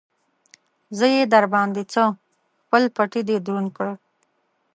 زه يې در باندې څه؟! خپل پټېی دې دروند کړ.